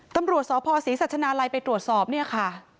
ตำรวจสพศรีสัชนาลัยไปตรวจสอบเนี่ยค่ะ